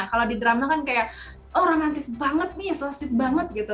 kalau di drama kan kayak oh romantis banget nih ya selesuit banget gitu